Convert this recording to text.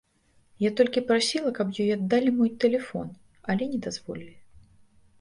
Я толькі прасіла, каб ёй аддалі мой тэлефон, але не дазволілі.